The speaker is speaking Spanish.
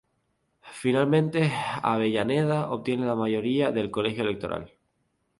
Finalmente, Avellaneda obtiene la mayoría del colegio electoral.